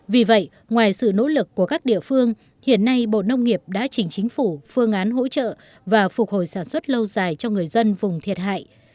vì vậy ngoài sự nỗ lực của các địa phương hiện nay bộ nông nghiệp đã chỉnh chính phủ phương án hỗ trợ và phục hồi sản xuất lâu dài cho người dân vùng thiệt hại